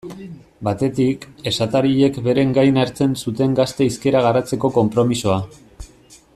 Batetik, esatariek beren gain hartzen zuten gazte hizkera garatzeko konpromisoa.